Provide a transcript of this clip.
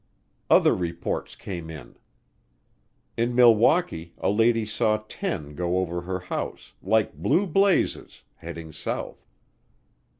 Other reports came in. In Milwaukee a lady saw ten go over her house "like blue blazes," heading south.